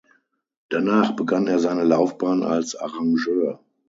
Danach begann er seine Laufbahn als Arrangeur.